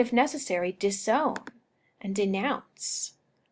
necessary disown and denounce.